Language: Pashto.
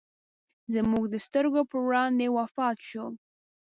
زموږ د سترګو پر وړاندې وفات شو.